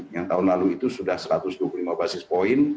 yang tahun lalu itu sudah satu ratus dua puluh lima basis point